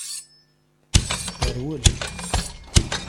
Terwel.